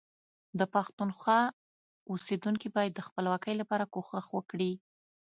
د پښتونخوا اوسیدونکي باید د خپلواکۍ لپاره کوښښ وکړي